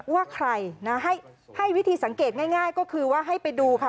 ว่าใครนะให้วิธีสังเกตง่ายก็คือว่าให้ไปดูค่ะ